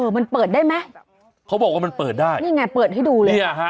มันเปิดได้ไหมเขาบอกว่ามันเปิดได้เปิดให้ดูเลย